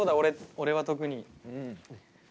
俺は特に。